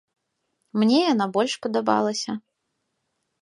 Мне яна больш падабалася.